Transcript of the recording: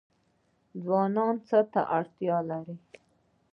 ځوانان څه وړتیا لري؟